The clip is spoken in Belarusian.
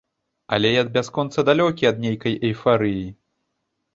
Але я бясконца далёкі ад нейкай эйфарыі.